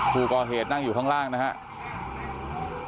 ผู้ก่อเหตุนั่งอยู่ข้างล่างนะครับ